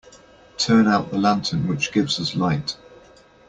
Turn out the lantern which gives us light.